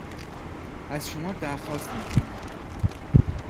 از شما در خواست می کنند